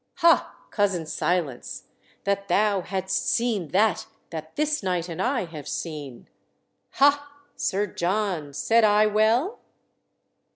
"Ha, Cousin Silence, that thou hadst seen that that this knight and I have seen! Ha, Sir John, said I well?"